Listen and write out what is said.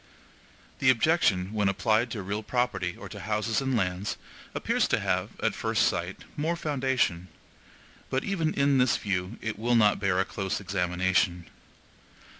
The objection, when applied to real property or to houses and lands, appears to have, at first sight, more foundation, but even in this view it will not bear a close examination.